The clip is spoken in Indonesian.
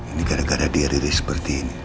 ini gara gara dia ririk seperti ini